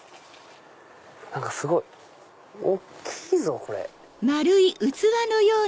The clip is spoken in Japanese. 何かすごい大きいぞこれ。